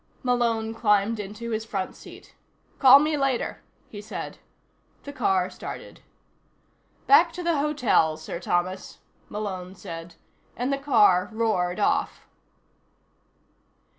Malone climbed into his front seat. "Call me later," he said. The car started. "Back to the hotel, Sir Thomas," Malone said, and the car roared off.